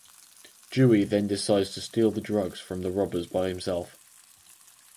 Dewey then decides to steal the drugs from the robbers by himself.